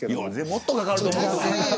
もっとかかると思う。